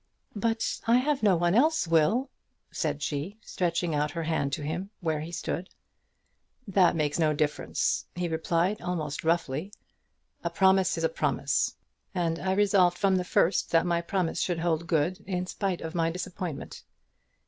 "But I have no one else, Will," said she, stretching out her hand to him where he stood. "That makes no difference," he replied, almost roughly. "A promise is a promise, and I resolved from the first that my promise should hold good in spite of my disappointment.